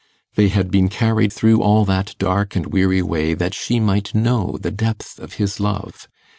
They had been carried through all that dark and weary way that she might know the depth of his love.